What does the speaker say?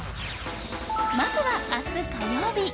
まずは明日、火曜日。